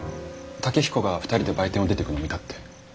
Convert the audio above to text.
健彦が２人で売店を出てくのを見たって。